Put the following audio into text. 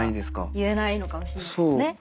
言えないのかもしれないですね。